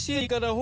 お！